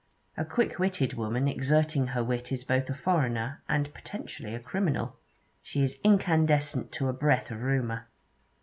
A quick witted woman exerting her wit is both a foreigner and potentially a criminal. She is incandescent to a breath of rumour.